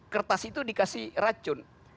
kertas itu dikasih racun